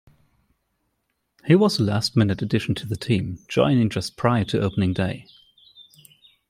He was a last-minute addition to the team, joining just prior to opening day.